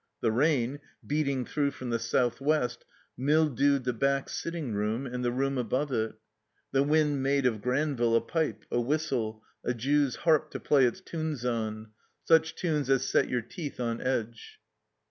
The rain, beating through from the southwest, mildewed the back sitting room and the room above it. The wind made of GranviUe a pipe, a whistle, a Jew's harp to play its tunes on; such times as set your teeth on edge.